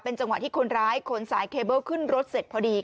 จังหวะที่คนร้ายขนสายเคเบิ้ลขึ้นรถเสร็จพอดี